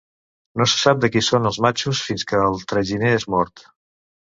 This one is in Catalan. No se sap de qui són els matxos fins que el traginer és mort.